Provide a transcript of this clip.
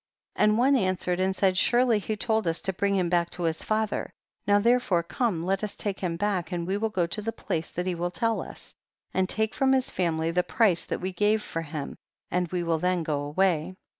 50. And one answered and said, surely he told us to bring him back to his father ; now tlierefore come, let us take him back and we will go to the place that he will tell us, and take from his family the price that we gave for him and we will then go away.